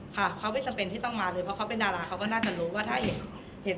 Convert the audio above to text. เขาไม่จำเป็นที่ต้องมาเลยเพราะว่าเขาเป็นดาราเขาก็น่าจะรู้ว่าถ้าเห็นในคลิปมันจะดัง